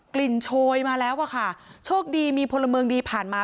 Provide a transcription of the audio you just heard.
โชยมาแล้วอะค่ะโชคดีมีพลเมืองดีผ่านมา